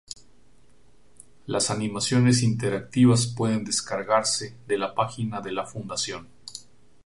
Las animaciones interactivas pueden descargarse de la página de la fundación.